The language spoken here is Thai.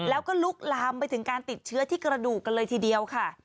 แล้วก็ลุกลามไปถึงการติดเชื้อที่กระดูกกันเลยทีเดียวค่ะ